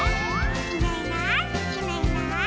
「いないいないいないいない」